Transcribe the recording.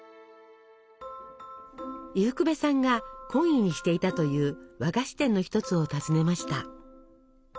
伊福部さんが懇意にしていたという和菓子店の一つを訪ねました。